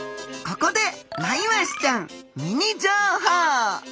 ここでマイワシちゃんミニ情報！